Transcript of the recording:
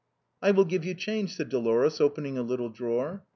" I will give you your change," said Dolores, opening a little drawer.